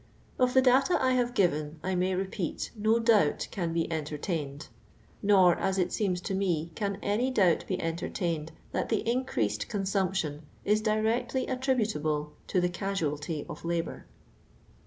Of the data I have given, I may repeat, no doubt can bo entertained ; nor, as it seems to me, can any doubt be entertained that the increased consumption is directly attributable to the casualty of labour*.